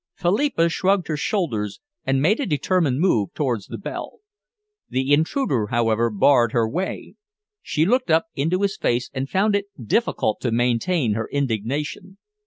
Philippa shrugged her shoulders and made a determined move towards the bell. The intruder, however, barred her way. She looked up into his face and found it difficult to maintain her indignation.